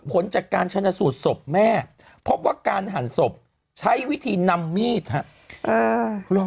ผลจากการชนะสูดศพแม่เพราะว่าการหั่นศพใช้วิธีนำมีดฮะเออ